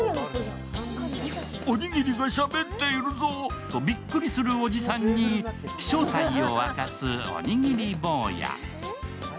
おにぎりがしゃべっているぞ！とびっくりするおじさんに、正体を明かすおにぎりぼうや。